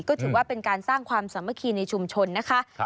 ก็ถือว่าเป็นการสร้างความสามัคคีในชุมชนนะคะ